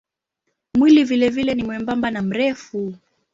Mwili vilevile ni mwembamba na mrefu.